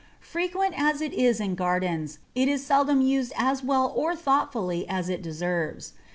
Frequent as it is in gardens, it is seldom used as well or thoughtfully as it deserves.